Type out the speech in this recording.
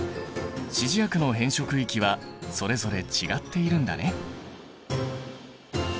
指示薬の変色域はそれぞれ違っているんだね。